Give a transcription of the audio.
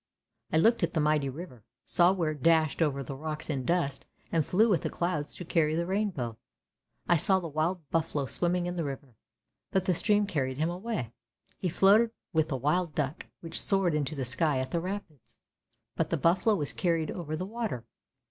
"" I looked at the mighty river, saw where it dashed over the rocks in dust and flew with the clouds to carry the rainbow. I saw the wild buffalo swimming in the river, but the stream carried him away, he floated with the wild duck, which soared into the sky at the rapids ; but the buffalo was carried over with the water.